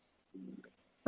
kekuatannya apa ya